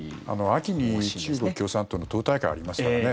秋に中国共産党の党大会がありますからね。